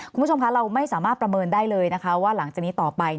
คุณผู้ชมคะเราไม่สามารถประเมินได้เลยนะคะว่าหลังจากนี้ต่อไป